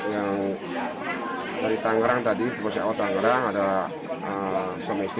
yang dari tangerang tadi pemusaka tangerang ada selama istri